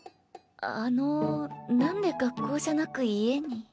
あのなんで学校じゃなく家に？